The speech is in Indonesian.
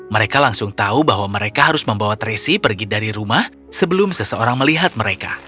mereka langsung tahu bahwa mereka harus membawa tracy pergi dari rumah sebelum seseorang melihat mereka